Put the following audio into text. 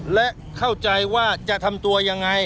และเข้าใจว่าจะทำตัวยังไง